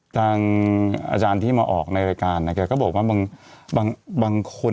จากอาจารย์ที่มาออกในรายการเขาก็บอกว่าบางคน